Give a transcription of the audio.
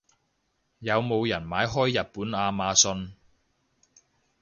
有冇人買開日本亞馬遜？